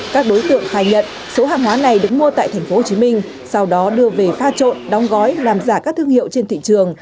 các đối tượng khai nhận số hàng hóa này đứng mua tại thành phố hồ chí minh sau đó đưa về pha trộn đóng gói làm giả các thương hiệu trên thị trường